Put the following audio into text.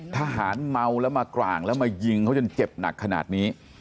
ทหารเมาแล้วมากร่างแล้วมายิงเขาจนเจ็บหนักขนาดนี้